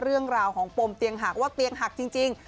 เรื่องราวของปมเตียงหักว่าเตียงหักจริง